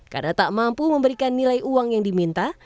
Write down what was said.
karena tak mampu memberikan nilai uang yang diminta